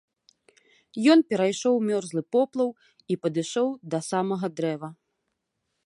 Ён перайшоў мёрзлы поплаў і падышоў да самага дрэва.